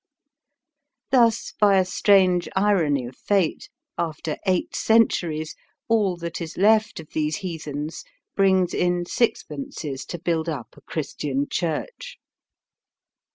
Thus, by a strange irony of fate, after eight centuries, all that is left of these heathens brings in sixpences to build up a Christian church.